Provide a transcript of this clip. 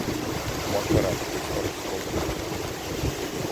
Moš varētu būt sporta skolotāja.